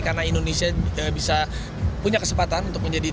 karena indonesia bisa punya kesempatan untuk menjadi tuan rumah